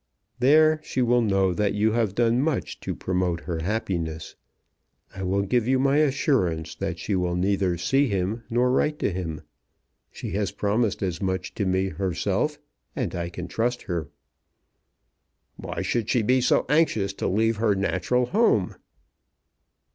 "There she will know that you have done much to promote her happiness. I will give you my assurance that she will neither see him nor write to him. She has promised as much to me herself, and I can trust her." "Why should she be so anxious to leave her natural home?"